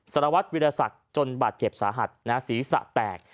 สารวัตรวิทยาศักดิ์จนบาดเจ็บสาหัสศีรษะแตก